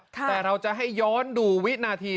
แต่เราจะให้ย้อนดูวินาที